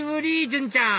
じゅんちゃん